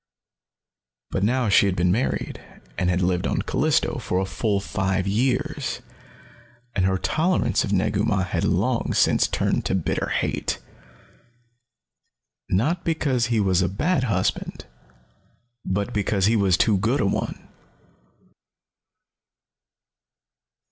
But now she had been married, and had lived on Callisto, for a full five years, and her tolerance of Negu Mah had long since turned to bitter hate. Not because he was a bad husband, but because he was too good a one!